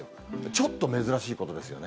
ちょっと珍しいことですよね。